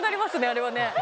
あれはね。